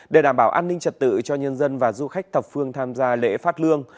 để đảm bảo an ninh trật tự cho nhân dân và du khách thập phương tham gia lễ phát lương